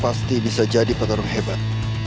pasti bisa jadi petarung hebat